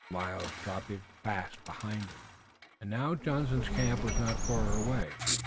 The miles dropped fast behind them, and now Johnson's camp was not far away.